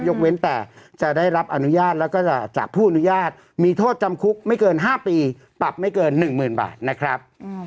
เว้นแต่จะได้รับอนุญาตแล้วก็จากผู้อนุญาตมีโทษจำคุกไม่เกิน๕ปีปรับไม่เกิน๑๐๐๐บาทนะครับ